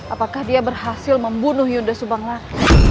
apakah dia berhasil membunuh yuda subanglarang